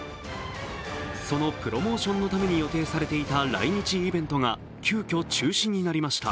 そのプロモーションのために予定されていた来日イベントが急きょ、中止になりました。